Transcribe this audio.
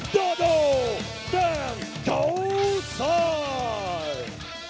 โดโดดังโท้ซ่อน